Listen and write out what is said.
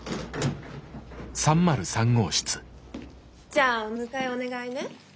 じゃあ迎えお願いね。